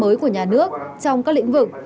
mới của nhà nước trong các lĩnh vực